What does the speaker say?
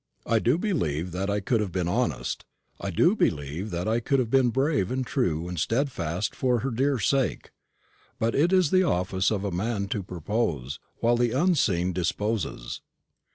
I do believe that I could have been honest; I do believe that I could have been brave and true and steadfast for her dear sake. But it is the office of man to propose, while the Unseen disposes.